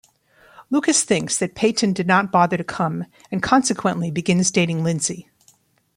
Lucas thinks that Peyton did not bother to come, and consequently begins dating Lindsey.